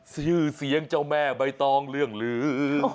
ชื่อเสียงเจ้าแม่ใบตองเรื่องลือ